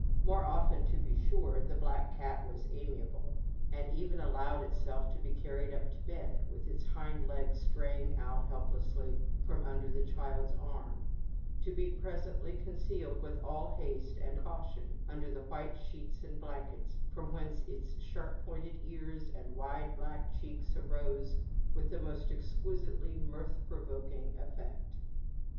More often, to be sure, the black cat was amiable, and even allowed itself to be carried up to bed, with its hind legs straying out helplessly from under the child's arm, to be presently concealed with all haste and caution under the white sheets and blankets, from whence its sharp pointed ears and fat black cheeks arose with the most exquisitely mirth provoking effect.